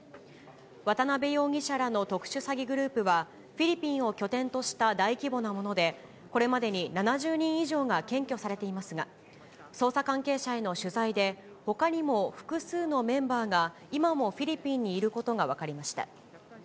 渡辺容疑者らの特殊詐欺グループは、フィリピンを拠点とした大規模なもので、これまでに７０人以上が検挙されていますが、捜査関係者への取材で、ほかにも複数のメンバーが、今もフィリピンにいることが分かりました。